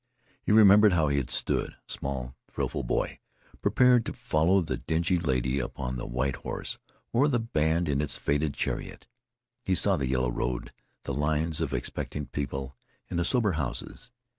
He remembered how he had stood, a small, thrillful boy, prepared to follow the dingy lady upon the white horse, or the band in its faded chariot. He saw the yellow road, the lines of expectant people, and the sober houses.